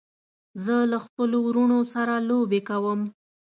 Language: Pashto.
زه له خپلو وروڼو سره لوبې کوم.